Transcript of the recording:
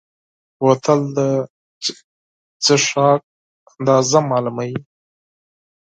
بوتل د څښاک اندازه معلوموي.